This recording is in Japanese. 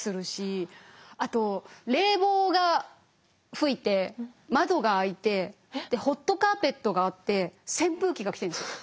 あと冷房が吹いて窓が開いてでホットカーペットがあって扇風機が来てるんですよ。